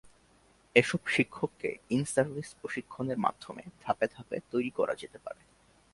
এসব শিক্ষককে ইনসার্ভিস প্রশিক্ষণের মাধ্যমে ধাপে ধাপে তৈরি করা যেতে পারে।